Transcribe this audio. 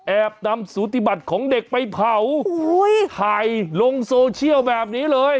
นำสูติบัติของเด็กไปเผาถ่ายลงโซเชียลแบบนี้เลย